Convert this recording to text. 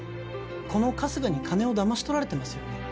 この春日に金を騙し取られてますよね？